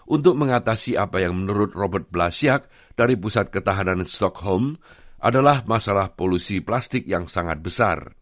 untuk mengatasi apa yang menurut robert blasiak dari pusat ketahanan stockhome adalah masalah polusi plastik yang sangat besar